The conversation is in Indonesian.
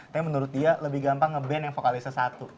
tapi menurut dia lebih gampang ngeband yang vokalisnya satu